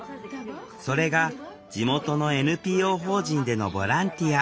それが地元のＮＰＯ法人でのボランティア。